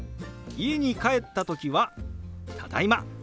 家に帰った時は「ただいま」